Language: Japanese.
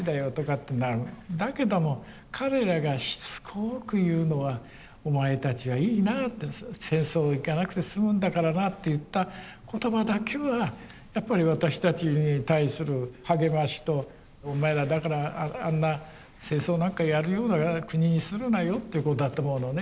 だけども彼らがしつこく言うのはお前たちはいいなあって戦争行かなくてすむんだからなあって言った言葉だけはやっぱり私たちに対する励ましとお前らだからあんな戦争なんかやるような国にするなよってことだと思うのね。